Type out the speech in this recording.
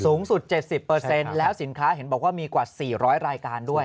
สูงสุด๗๐แล้วสินค้าเห็นบอกว่ามีกว่า๔๐๐รายการด้วย